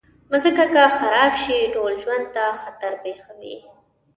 مځکه که خراب شي، ټول ژوند ته خطر پېښوي.